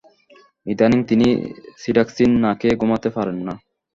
ইদানীং তিনি সিডাকসিন না খেয়ে ঘুমাতে পারেন না।